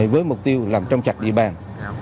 với mục tiêu làm trong trạch địa bàn